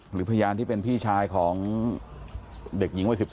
หรือพยานที่เป็นพี่ชายของเด็กหญิงวัย๑๔